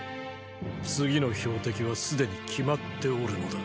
次の標的はすでに決まっておるのだ。